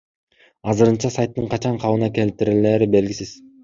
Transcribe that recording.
Азырынча сайттын качан калыбына келтирилери белгисиз.